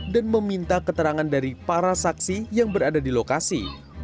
dan meminta keterangan dari para saksi yang berada di lokasi